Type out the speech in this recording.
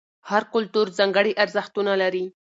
هر کلتور ځانګړي ارزښتونه لري.